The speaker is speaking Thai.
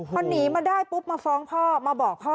พอหนีมาได้ปุ๊บมาฟ้องพ่อมาบอกพ่อ